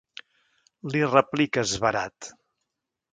Li replica esverat.